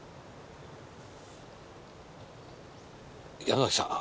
山崎さん